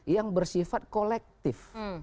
yang bersifat kolektif